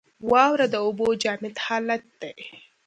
واوره د اوبو جامد حالت دی.